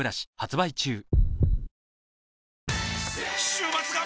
週末が！！